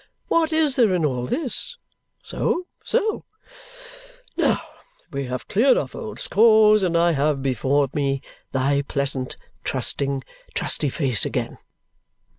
What is there in all this? So, so! Now, we have cleared off old scores, and I have before me thy pleasant, trusting, trusty face again."